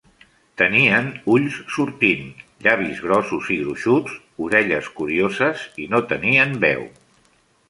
Tenien ulls sortint, llavis grossos i gruixuts, orelles curioses i no tenien veu.